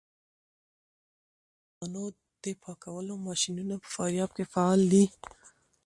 د غلو دانو د پاکولو ماشینونه په فاریاب کې فعال دي.